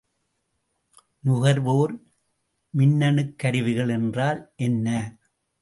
நுகர்வோர் மின்னணுக் கருவிகள் என்றால் என்ன?